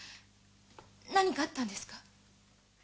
何かあったんですか？